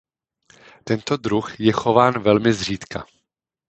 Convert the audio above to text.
Tento druh je chován velmi zřídka.